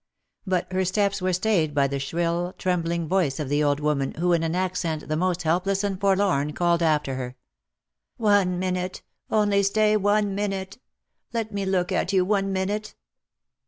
But her steps were stayed by the shrill, trembling voice of the old woman, who in an accent, the most helpless and forlorn, called after her, " One minute — only stay one minute ! Let me look at you one minute